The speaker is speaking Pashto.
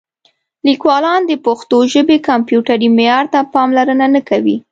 لیکوالان د پښتو ژبې کمپیوټري معیار ته پاملرنه نه کوي.